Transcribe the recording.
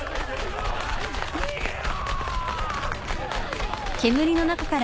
逃げろ！